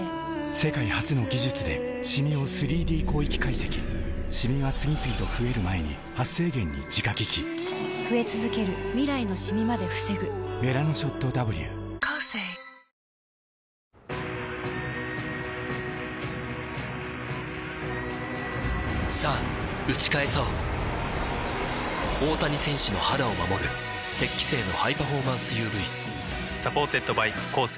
世界初の技術でシミを ３Ｄ 広域解析シミが次々と増える前に「メラノショット Ｗ」さぁ打ち返そう大谷選手の肌を守る「雪肌精」のハイパフォーマンス ＵＶサポーテッドバイコーセー